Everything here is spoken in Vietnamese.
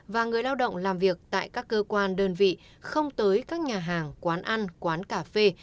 và người lao động làm việc tại các cơ quan đơn vị không tới các nhà hàng quán ăn quán cà phê